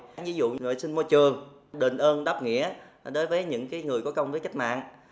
tháng ví dụ như vệ sinh môi trường đền ơn đáp nghĩa đối với những người có công với cách mạng